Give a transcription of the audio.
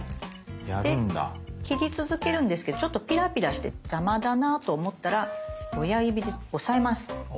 で切り続けるんですけどちょっとピラピラして邪魔だなと思ったら親指で押さえます。